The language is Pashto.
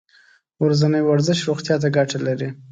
ورځنی ورزش روغتیا ته ګټه لري.